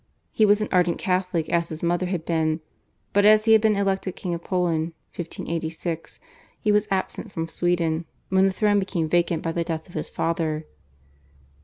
He was an ardent Catholic as his mother had been, but as he had been elected King of Poland (1586) he was absent from Sweden when the throne became vacant by the death of his father.